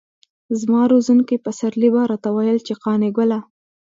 زما روزونکي پسرلي به راته ويل چې قانع ګله.